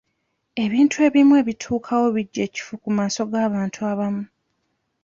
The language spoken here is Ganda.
Ebintu ebimu ebituukawo bijja ekifu ku maaso g'abantu abamu.